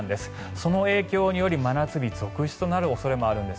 その影響により真夏日続出となる恐れもあるんです。